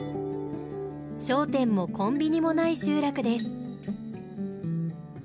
商店もコンビニもない集落です。